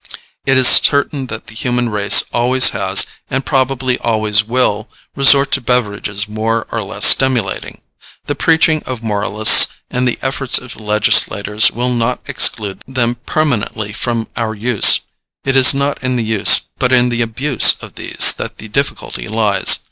It is certain that the human race always has, and probably always will, resort to beverages more or less stimulating. The preaching of moralists and the efforts of legislators will not exclude them permanently from our use. It is not in the use but in the abuse of these that the difficulty lies.